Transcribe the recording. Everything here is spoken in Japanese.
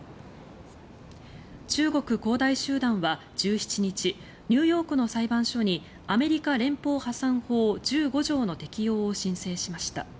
中国・恒大集団は１７日ニューヨークの裁判所にアメリカ連邦破産法１５条の適用を申請しました。